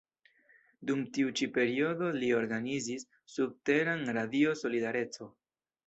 Dum tiu ĉi periodo li organizis subteran Radio Solidareco.